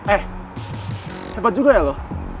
eh hebat juga ya lo